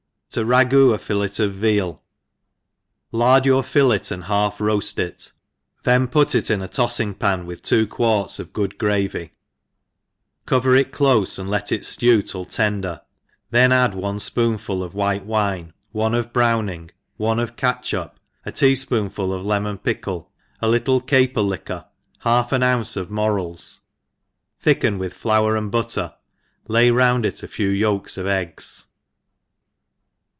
^ 7<? r/fgoo a Fillet of Veal. LARD your fillet andbalf roaft it, then put it in a tolling pan, with two quarts of g;ood gravy, cover it clofc and let it ftew till tender; then add one fpoonfql of white* wine, one of browning, one of catchup, a tea fpoonful of lemon pickle, a little caper liquor, half an ounce of %/ ENGLISH HOUSE KEEPER. loi t|f morels, thicken with flour and butter, hy coimd it a few yolks «f eggs.